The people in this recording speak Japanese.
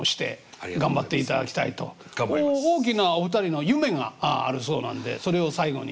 大きなお二人の夢があるそうなんでそれを最後に。